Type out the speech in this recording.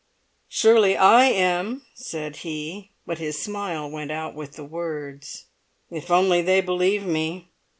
"Surely I am," said he; but his smile went out with the words. "If only they believe me!"